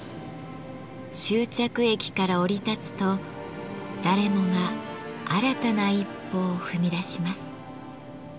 終着駅から降り立つと誰もが新たな一歩を踏み出します。